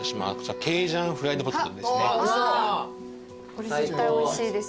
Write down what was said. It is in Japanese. これ絶対おいしいですよ。